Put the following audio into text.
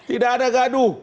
tidak ada gaduh